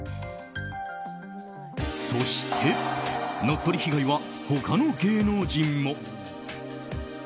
そして、乗っ取り被害は他の芸能人も。